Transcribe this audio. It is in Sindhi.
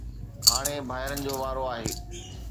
هاڻي ڀائرن جو وارو آهي